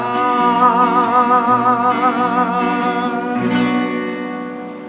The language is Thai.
มีคุณธรรมยิ่งใหญ่